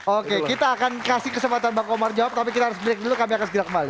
oke kita akan kasih kesempatan bang komar jawab tapi kita harus break dulu kami akan segera kembali